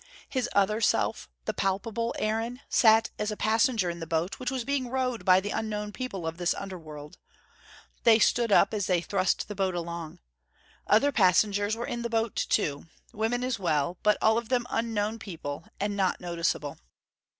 His other self, the palpable Aaron, sat as a passenger in the boat, which was being rowed by the unknown people of this underworld. They stood up as they thrust the boat along. Other passengers were in the boat too, women as well, but all of them unknown people, and not noticeable.